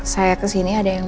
saya kesini ada yang